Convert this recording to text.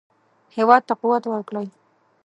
هېواد ته قوت ورکړئ